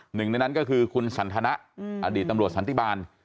หนึ่งในนั้นก็คือคุณสันทนะอดีตตำรวจสันติบาล